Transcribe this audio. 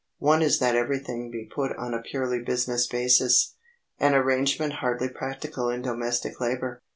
One is that everything be put on a purely business basis—an arrangement hardly practical in domestic labor.